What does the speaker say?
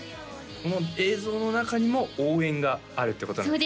この映像の中にも応援があるってことなんですね？